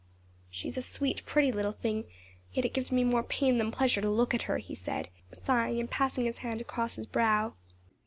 "She is a sweet, pretty little thing, yet it gives me more pain than pleasure to look at her," he said sighing and passing his hand across his brow.